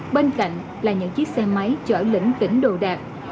bên cạnh là những chiếc xe máy chở lĩnh tỉnh đồ đạc